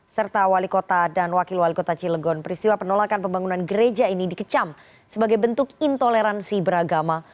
serta wali kota dan wakil wali kota cilegon peristiwa penolakan pembangunan gereja ini dikecam sebagai bentuk intoleransi beragama